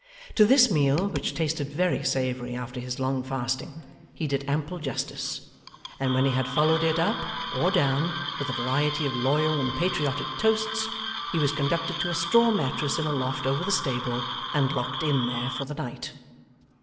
To this meal, which tasted very savoury after his long fasting, he did ample justice; and when he had followed it up, or down, with a variety of loyal and patriotic toasts, he was conducted to a straw mattress in a loft over the stable, and locked in there for the night.